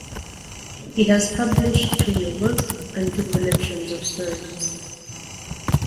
He has published three novels and two collections of stories.